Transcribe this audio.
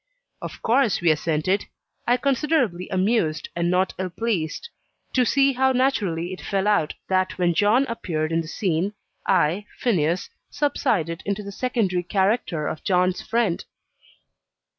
Of course we assented: I considerably amused, and not ill pleased, to see how naturally it fell out that when John appeared in the scene, I, Phineas, subsided into the secondary character of John's "friend."